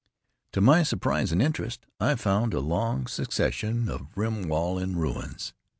To my surprise and interest, I found a long section of rim wall in ruins.